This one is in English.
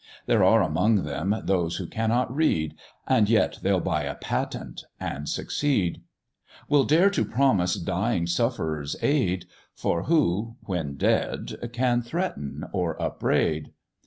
There are among them those who cannot read, And yet they'll buy a patent, and succeed; Will dare to promise dying sufferers aid, For who, when dead, can threaten or upbraid?